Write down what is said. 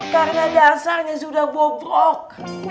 karena dasarnya sudah bobrok